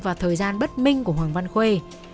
vào thời gian bất minh của hoàng văn khuê